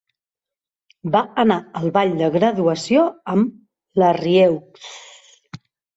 Va anar al ball de graduació amb Larrieux.